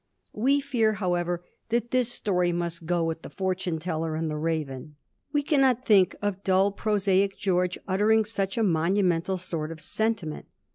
We fear, however, that this story must go with the fortune teller and the raven ; one cannot think of dull prosaic George uttering such a monumental sort of sentiment.